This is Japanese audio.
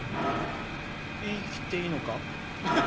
言い切っていいのか？